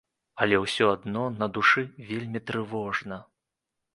Але ўсё адно на душы вельмі трывожна.